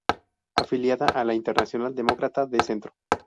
Afiliada a la Internacional Demócrata de Centro.